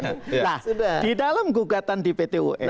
nah di dalam gugatan di pt un